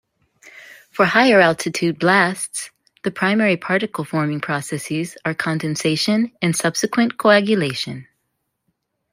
For higher-altitude blasts, the primary particle forming processes are condensation and subsequent coagulation.